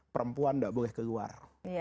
perempuan tidak boleh keluar